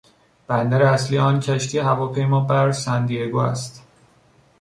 بندر اصلی آن کشتی هواپیمابر ساندیگو است.